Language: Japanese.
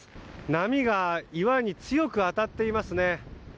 波が岩に強く当たっていますね。